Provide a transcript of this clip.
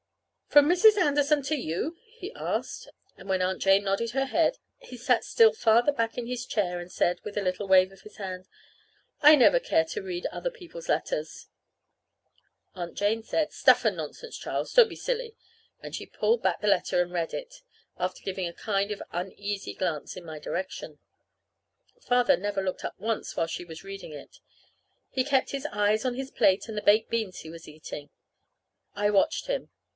"From Mrs. Anderson to you?" he asked. And when Aunt Jane nodded her head he sat still farther back in his chair and said, with a little wave of his hand, "I never care to read other people's letters." Aunt Jane said, "Stuff and nonsense, Charles, don't be silly!" But she pulled back the letter and read it after giving a kind of an uneasy glance in my direction. Father never looked up once while she was reading it. He kept his eyes on his plate and the baked beans he was eating. I watched him.